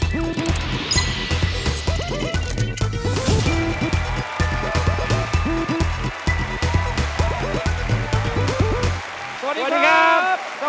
สวัสดีครับ